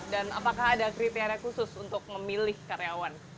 dan apakah ada kriteria khusus untuk memilih karyawan